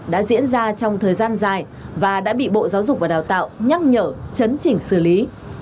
đã diễn ra trong thời gian dài và đã bị bộ giáo dục và đào tạo nhắc nhở chấn chỉnh xử lý